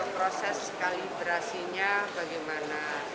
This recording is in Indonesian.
proses kalibrasinya bagaimana